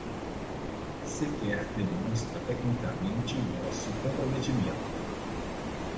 Sequer demonstra tecnicamente vosso comprometimento